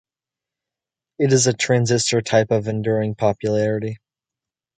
It is a transistor type of enduring popularity.